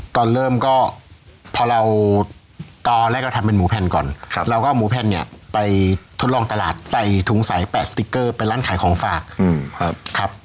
ตอนเริ่มก็พอเราตอนแรกเราทำเป็นหมูแผ่นก่อนเราก็เอาหมูแผ่นเนี่ยไปทดลองตลาดใส่ถุงใส๘สติ๊กเกอร์ไปร้านขายของฝากครับ